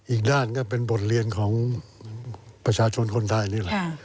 อีกด้านก็เป็นบทเรียนของประชาชนคนไทยนี่แหละ